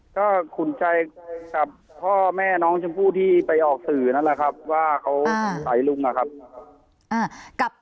ก็ขุนใจกับพ่อแม่น้องชมพู่ที่ไปออกสื่อนั่นแหละครับว่าเขาสงสัยลุงนะครับ